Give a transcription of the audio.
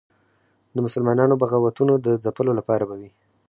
د مسلمانانو بغاوتونو د ځپلو لپاره به وي.